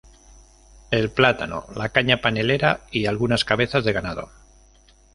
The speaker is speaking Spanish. El plátano, la caña panelera y algunas cabezas de ganado.